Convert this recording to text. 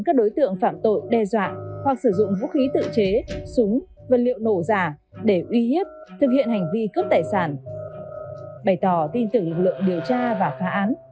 các đối tượng phạm tội đe dọa hoặc sử dụng vũ khí tự chế súng vật liệu nổ giả để uy hiếp thực hiện hành vi cướp tài sản bày tỏ tin tưởng lực lượng điều tra và phá án